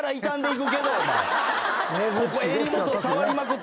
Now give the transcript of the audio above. ここ襟元触りまくってるから。